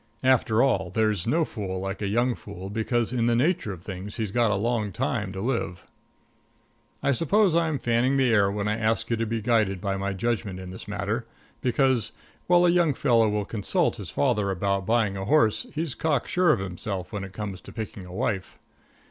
After all, there's no fool like a young fool, because in the nature of things he's got a long time to live. I suppose I'm fanning the air when I ask you to be guided by my judgment in this matter, because, while a young fellow will consult his father about buying a horse, he's cock sure of himself when it comes to picking a wife.